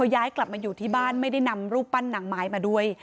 ย้ายกลับมาอยู่ที่บ้านไม่ได้นำรูปปั้นนางไม้มาด้วย